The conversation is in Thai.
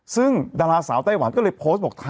ซึ่งดาราสาวไต้หวันก็เลยโพสต์บอก